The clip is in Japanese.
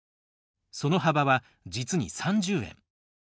その幅は実に３０円。